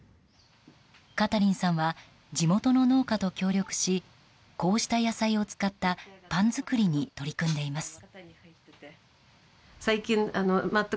カタリンさんは地元の農家と協力しこうした野菜を使ったパン作りに取り組んでいます。